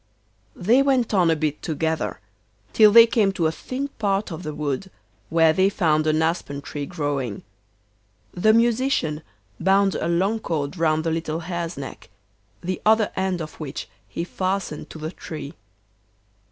They went on a bit together, till they came to a thin part of the wood, where they found an aspen tree growing. The Musician bound a long cord round the little Hare's neck, the other end of which he fastened to the tree.